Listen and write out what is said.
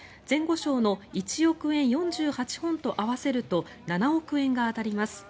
賞の１億円４８本と合わせると７億円が当たります。